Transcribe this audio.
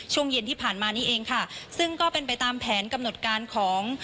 ช่วงเย็นที่ผ่านมานี่เองค่ะซึ่งก็เป็นไปตามแผนกำหนดการของ